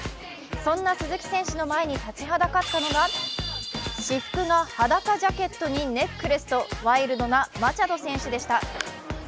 そんな鈴木選手の前に立ちはだかったのが私服が裸ジャケットにネックレスとワイルドなマチャド選手でした。